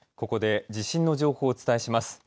ここで地震の情報をお伝えします。